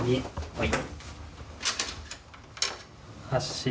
はい。